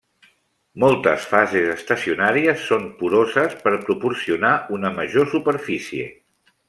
Moltes fases estacionàries són poroses per proporcionar una major superfície.